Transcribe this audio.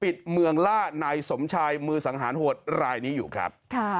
ปิดเมืองล่านายสมชายมือสังหารโหดรายนี้อยู่ครับ